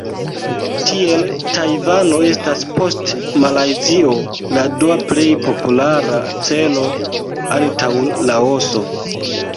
Tiel Tajvano estas post Malajzio la dua plej populara celo antaŭ Laoso.